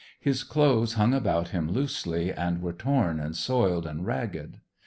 His clothes hung about him loosely, and were torn and soiled and ragged.